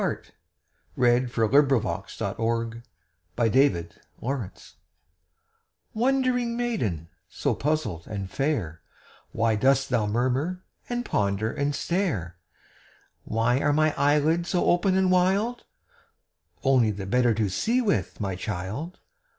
WHAT THE WOLF REALLY SAID TO LITTLE RED RIDING HOOD Wondering maiden, so puzzled and fair, Why dost thou murmur and ponder and stare? "Why are my eyelids so open and wild?" Only the better to see with, my child!